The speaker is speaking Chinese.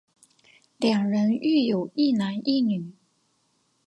两人育有一男一女。